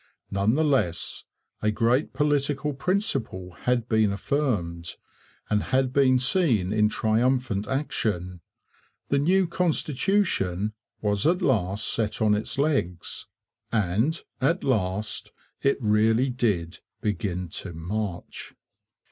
None the less, a great political principle had been affirmed, and had been seen in triumphant action. The new constitution was at last set on its legs, and, at last, it really did begin to 'march.'